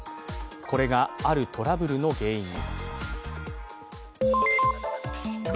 これが、あるトラブルの原因に。